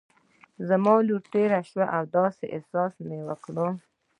زما لور ته را تېر شو، داسې مې احساس کړل.